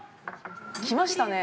来ましたね。